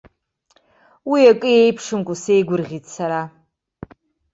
Уи акы еиԥшымкәа сеигәырӷьеит сара.